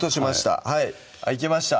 はいいけました